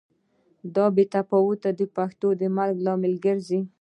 دا بې تفاوتي د پښتو د مرګ لامل ګرځي.